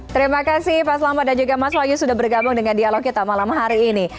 terima kasih pak selamat dan juga mas wahyu sudah bergabung dengan dialog kita malam hari ini